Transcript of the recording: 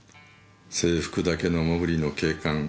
制服だけのモグリの警官。